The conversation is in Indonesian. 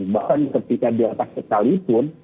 bahkan ketika di atas sekalipun